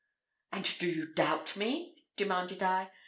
"And do you doubt me?" demanded I.